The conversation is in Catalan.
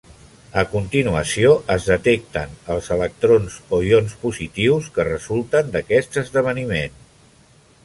A continuació, es detecten els electrons o ions positius que resulten d'aquest esdeveniment.